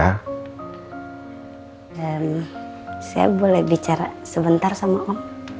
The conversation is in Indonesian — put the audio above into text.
dan saya boleh bicara sebentar sama om